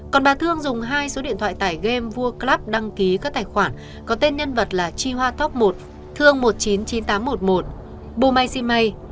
còn bà thương dùng hai số điện thoại tải game vua club đăng ký các tài khoản có tên nhân vật là chi hoa top một thương một trăm chín mươi chín nghìn tám trăm một mươi một bù mai si mây